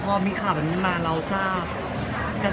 ผมว่ามันเป็นปัจจุได้คุณคุณสังเกตก็มากกว่า